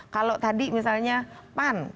kalau tadi misalnya pan